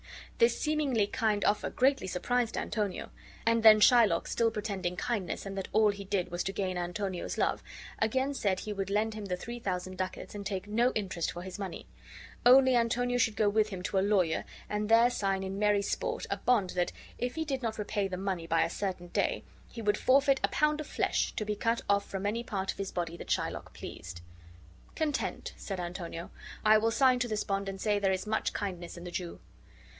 This seemingly kind offer greatly surprised Antonio; and then Shylock, still pretending kindness and that all he did was to gain Antonio's love, again said he would lend him the three thousand ducats, and take no interest for his money; only Antonio should go with him to a lawyer and there sign in merry sport a bond that, if he did not repay the money by a certain day, he would forfeit a pound of flesh, to be cut off from any part of his body that Shylock pleased. "Content," said Antonio. "I will sign to this bond, and say there is much kindness in the Jew."